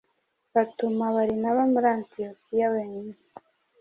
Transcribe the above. batuma Barinaba muri Antiyokiya wenyine.